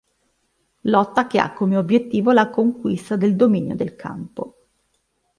Lotta che ha come obiettivo la conquista del dominio del campo.